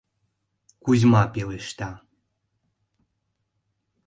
— Кузьма пелешта.